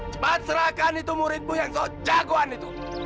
cepat serahkan itu muridmu yang sejagoan itu